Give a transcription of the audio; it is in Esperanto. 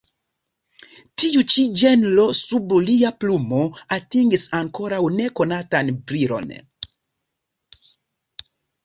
Tiu ĉi ĝenro sub lia plumo atingis ankoraŭ ne konatan brilon.